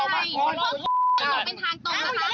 มึงอย่าเล่นพ่อ